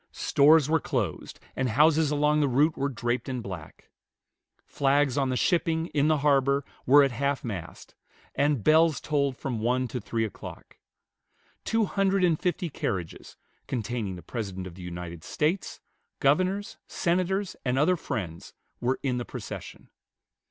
Stores were closed, and houses along the route were draped in black. Flags on the shipping, in the harbor, were at half mast; and bells tolled from one to three o'clock. Two hundred and fifty carriages, containing the President of the United States, governors, senators, and other friends, were in the procession.